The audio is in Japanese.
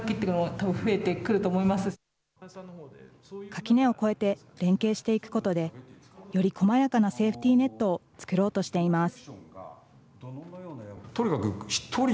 垣根を越えて連携していくことで、よりこまやかなセイフティーネットを作ろうとしています。